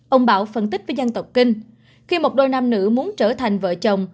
ông bảo phân tích với dân tộc kinh khi một đôi nam nữ muốn trở thành vợ chồng